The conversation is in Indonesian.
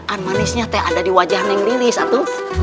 an manisnya teh ada di wajah neng lilis itu